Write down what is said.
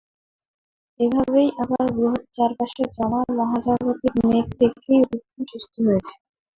এভাবেই আবার গ্রহের চারপাশে জমা মহাজাগতিক মেঘ থেকেই উপগ্রহ সৃষ্টি হয়েছে।